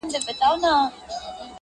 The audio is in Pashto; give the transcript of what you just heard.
زه به مي دا عمر په کچکول کي سپلنی کړمه -